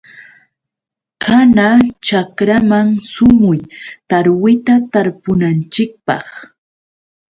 Kana chakraman sumuy. Tarwita tarpunanchikpaq.